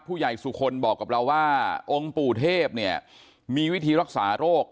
ผู้ใหญ่สุคลบอกกับเราว่าองค์ปู่เทพเนี่ยมีวิธีรักษาโรค